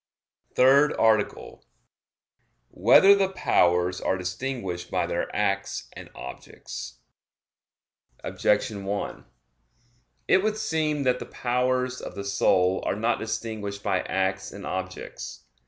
_______________________ THIRD ARTICLE [I, Q. 77, Art. 3] Whether the Powers Are Distinguished by Their Acts and Objects? Objection 1: It would seem that the powers of the soul are not distinguished by acts and objects.